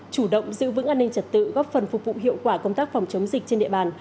chủ động giữ vững an ninh trật tự góp phần phục vụ hiệu quả công tác phòng chống dịch trên địa bàn